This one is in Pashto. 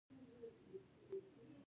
دوهم برخه د ساختماني چارو مدیریت دی.